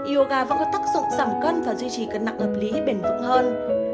yoga vẫn có tác dụng giảm cân và duy trì cân nặng hợp lý bền vững hơn